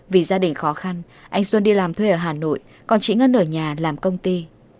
vì gia đình khó khăn anh xuân đi làm thuê ở hà nội còn chị ngân ở nhà làm công ty